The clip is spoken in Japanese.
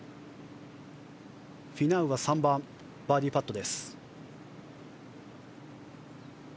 フィナウの３番、バーディーパット。